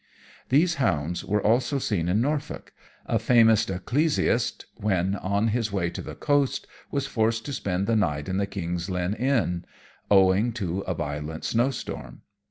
These hounds were also seen in Norfolk. A famous ecclesiast, when on his way to the coast, was forced to spend the night in the King's Lynn Inn, owing to a violent snowstorm.